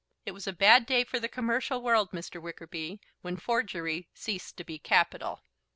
It was a bad day for the commercial world, Mr. Wickerby, when forgery ceased to be capital."